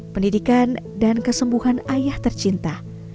pendidikan dan kesembuhan ayah tercinta